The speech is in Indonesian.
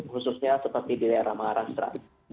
khususnya seperti di daerah marastra